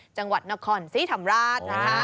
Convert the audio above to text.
จังหวัดนครซีถำราช